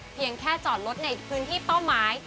เพียงแค่จอดรถในพื้นที่เป้าหมาย